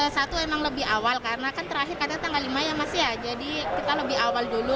satu emang lebih awal karena kan terakhir katanya tanggal lima ya mas ya jadi kita lebih awal dulu